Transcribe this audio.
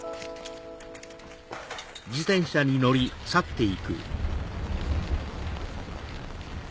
あっ。